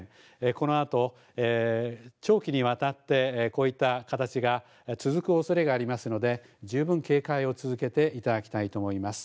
このあと長期にわたって、こういった形が続くおそれがありますので、十分警戒を続けていただきたいと思います。